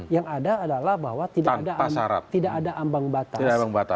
yang ada adalah bahwa tidak ada ambang batas